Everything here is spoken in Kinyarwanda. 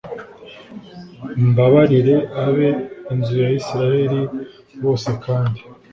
mbabarire ab inzu ya Isirayeli bose kandi